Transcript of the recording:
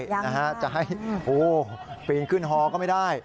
ยังได้จะให้ปีนขึ้นฮอก็ไม่ได้